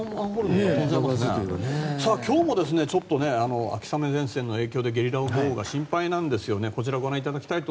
今日も秋雨前線の影響でゲリラ豪雨が心配なんですよね。